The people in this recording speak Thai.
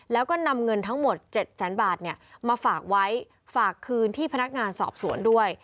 แล้วก็นำเงินทั้งหมด๗แสนบาทมาฝากไว้ฝากคืนที่พนักงานสอบสวนด้วย